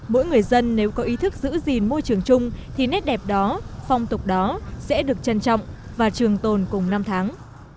mỗi người dân nếu có ý thức giữ gìn môi trường chung thì nét đẹp đó phong tục đó sẽ được trân trọng và trường tồn cùng năm tháng